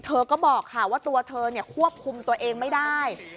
เธอก็บอกค่ะว่าตัวเธอควบคุมตัวเองไม่ได้